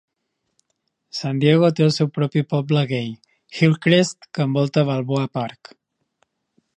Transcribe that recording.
San Diego té el seu propi poble gai, Hillcrest, que envolta Balboa Park.